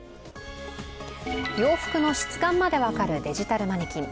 洋服の質感まで分かるデジタルマネキン。